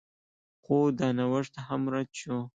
خو دا نوښت هم رد شو.